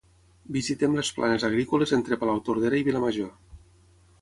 Visitem les planes agrícoles entre Palautordera i Vilamajor